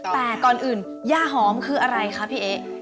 แต่ก่อนอื่นย่าหอมคืออะไรคะพี่เอ๊ะ